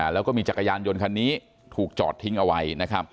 แล้วก็มีจักรยานยนต์คันนี้ถูกจอดทิ้งเอาไว้นะครับ